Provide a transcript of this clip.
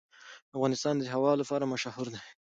افغانستان د هوا لپاره مشهور دی.